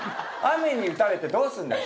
雨に打たれてどうすんだよ？